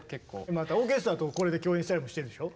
またオーケストラとこれで共演したりもしてるんでしょ？